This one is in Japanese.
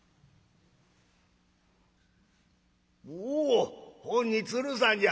「おおほんに鶴さんじゃ。